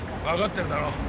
分かってるだろ。